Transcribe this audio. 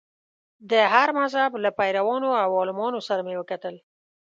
د هر مذهب له پیروانو او عالمانو سره مې وکتل.